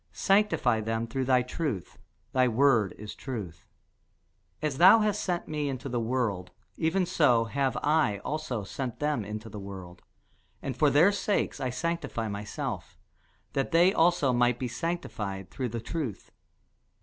Sanctify them through thy truth: thy word is truth. As thou hast sent me into the world, even so have I also sent them into the world. And for their sakes I sanctify myself, that they also might be sanctified through the truth.